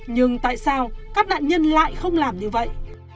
nhưng tại sao các nạn nhân lại không làm như vậy